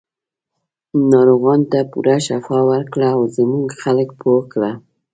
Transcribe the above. ناروغانو ته پوره شفا ورکړه او زموږ خلک پوه کړه.